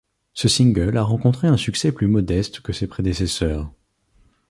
Ce single a rencontré un succès plus modeste que ces prédécesseurs.